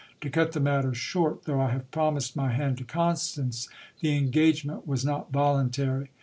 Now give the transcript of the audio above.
To cut the matter short, though I have promised my hand to Constance, the engagement was not 132 GIL BLAS. voluntary.